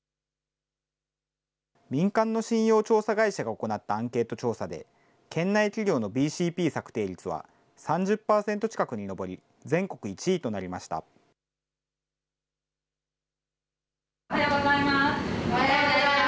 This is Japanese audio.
民間の信用調査会社が行ったアンケート調査で、県内企業のＢＣＰ策定率は３０％近くに上り、全国１位となりましおはようございます。